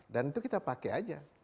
dan itu kita pakai saja